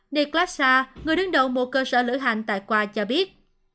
niklas sa người đứng đầu một cơ sở lữ hành tại qua cho biết